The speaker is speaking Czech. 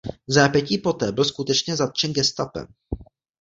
Vzápětí poté byl skutečně zatčen gestapem.